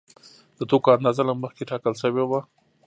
د توکو اندازه له مخکې ټاکل شوې وه